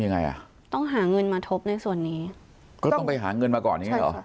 ยังไงอ่ะต้องหาเงินมาทบในส่วนนี้ก็ต้องไปหาเงินมาก่อน